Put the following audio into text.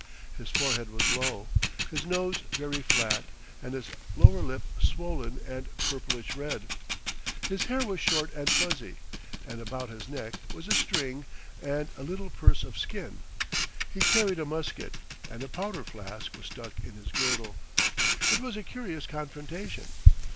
His forehead was low, his nose very flat and his lower lip swollen and purplish red. His hair was short and fuzzy, and about his neck was a string and a little purse of skin. He carried a musket, and a powder flask was stuck in his girdle. It was a curious confrontation.